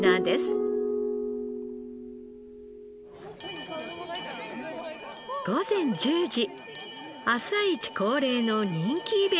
午前１０時朝市恒例の人気イベントが始まります。